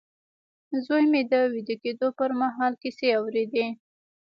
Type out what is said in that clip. زوی مې د ويده کېدو پر مهال کيسې اورېدې.